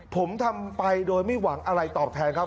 ผมทำไปโดยไม่หวังอะไรตอบแทนครับ